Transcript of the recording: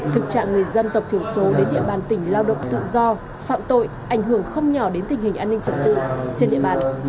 thực trạng người dân tộc thiểu số đến địa bàn tỉnh lao động tự do phạm tội ảnh hưởng không nhỏ đến tình hình an ninh trật tự trên địa bàn